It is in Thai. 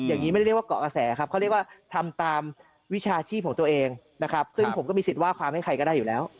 อย่างนี้ไม่ได้เรียกว่าเกาะกระแสครับเขาเรียกว่าทำตามวิชาชีพของตัวเองนะครับซึ่งผมก็มีสิทธิ์ว่าความให้ใครก็ได้อยู่แล้ว